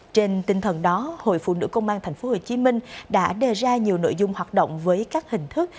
trên tinh thần đó hội phụ nữ công an tp hcm đã đề ra nhiều nội dung hoạt động với các hình thức